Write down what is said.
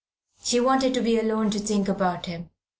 She wanted to be alone to think about him.